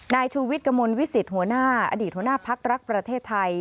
ชูวิทย์กระมวลวิสิตหัวหน้าอดีตหัวหน้าพักรักประเทศไทย